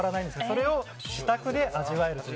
それを自宅で味わえると。